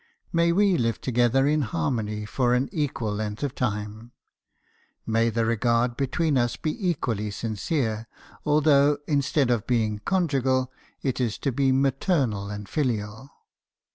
May we live together in like harmony for an equal length of time ! May the regard between us be equally sincere, although, instead of being conjugal , it is to be maternal and filial